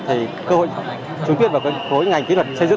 thì cơ hội trúng tuyết vào cơ hội ngành kỹ thuật xây dựng